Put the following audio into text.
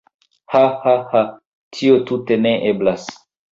Hahaha. Tio tute ne eblas